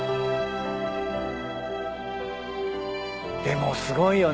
でもすごいよね。